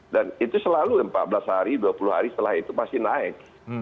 dan itu selalu empat belas hari dua puluh hari setelah itu pasti naik